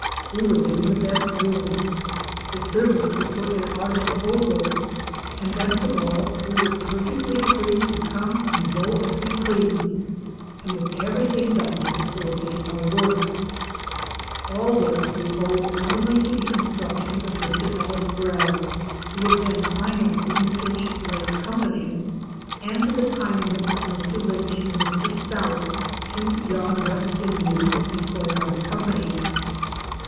We were given the best room; the servants fete) OUR SEARCH FOR A WILDERNESS. were put at our disposal: and best of all we were perfectly free to come and go as we pleased; and with everything done to facilitate our work. All this we owed also to the instruc tions of Mr. Ellis Grell, who was then financing the Pitch Lake Company and to the kindness of Mr. Lynch and Mr. Stoute, two young West Indians employed by the company.